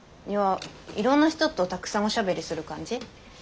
いやいろんな人とたくさんおしゃべりする感じ？